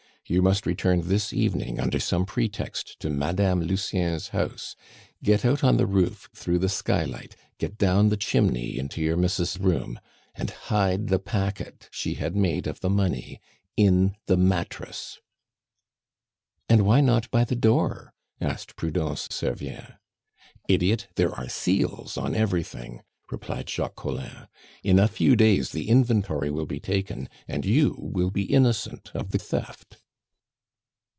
"You must return this evening under some pretext to Madame Lucien's house. Get out on the roof through the skylight; get down the chimney into your miss'ess' room, and hide the packet she had made of the money in the mattress " "And why not by the door?" asked Prudence Servien. "Idiot! there are seals on everything," replied Jacques Collin. "In a few days the inventory will be taken, and you will be innocent of the theft."